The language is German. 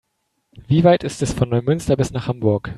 Wie weit ist es von Neumünster bis nach Hamburg?